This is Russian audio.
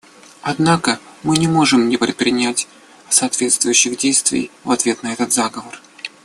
Однако мы не можем не предпринять соответствующие действия в ответ на этот заговор.